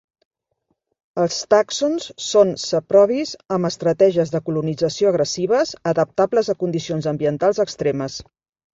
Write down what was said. Els tàxons són saprobis amb estratègies de colonització agressives, adaptables a condicions ambientals extremes.